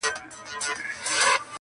دوه غوايي يې ورته وچیچل په لار کي؛